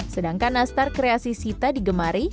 sedangkan nastar kreasi sita digemari